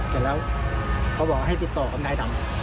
เสร็จแล้วเขาบอกให้ติดต่อกับนายดำ